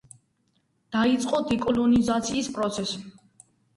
დაიწყო დეკოლონიზაციის პროცესი.